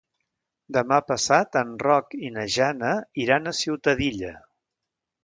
Demà passat en Roc i na Jana iran a Ciutadilla.